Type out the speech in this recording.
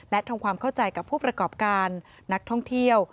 และทำความเข้าใจกับผู้ประกอบการนักท่องเที่ยว